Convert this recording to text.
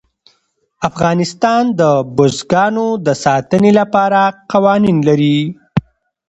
افغانستان د بزګانو د ساتنې لپاره قوانین لري.